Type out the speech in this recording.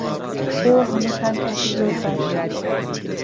ئێوە هەمووتان کەسی زۆر باشن.